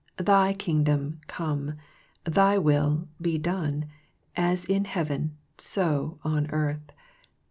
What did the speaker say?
Thy Kingdom come. Thy will be done, as in heaven, so on earth.'